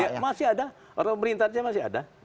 iya masih ada orang pemerintahnya masih ada